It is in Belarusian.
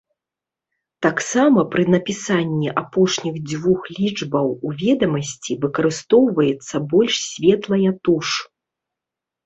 Таксама пры напісанні апошніх дзвюх лічбаў у ведамасці выкарыстоўваецца больш светлая туш.